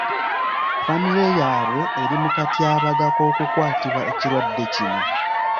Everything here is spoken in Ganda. Ffamire yaabwe eri mu katyabaga k’okukwatibwa ekirwadde kino.